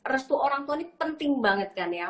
restu orang tua ini penting banget kan ya